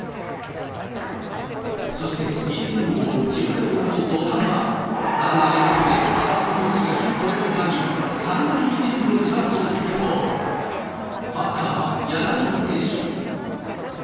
そして、１点を追う９回裏の土壇場、ランナー１塁で、浅村選手がヒットでつなぎ、３塁１塁のチャンスを作ると、バッターは柳田選手。